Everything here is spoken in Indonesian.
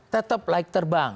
tetap layak terbang